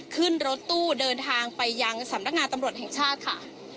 ขึ้นรถตู้เดินทางไปยังสำนักงานตำรวจแห่งชาติค่ะ